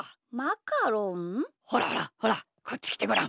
ほらほらほらこっちきてごらん。